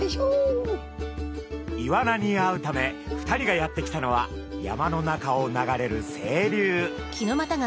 イワナに会うため２人がやって来たのは山の中を流れる清流。